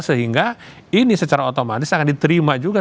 sehingga ini secara otomatis akan diterima juga